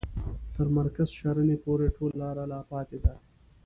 تر مرکز شرنې پوري ټوله لار لا پاته ده.